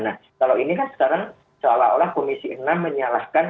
nah kalau ini kan sekarang seolah olah komisi enam menyalahkan